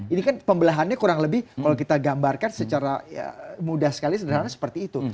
ini kan pembelahannya kurang lebih kalau kita gambarkan secara mudah sekali sederhana seperti itu